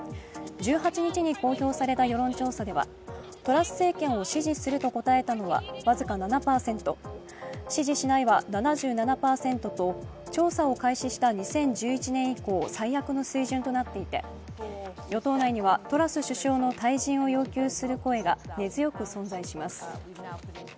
１８日に公表された世論調査ではトラス政権を支持すると答えたのは僅か７％、支持しないは７７％と、調査を開始した２０１１年以降、最悪の水準となっていて与党内にはトラス首相の退陣を要求する声が根強く存在します。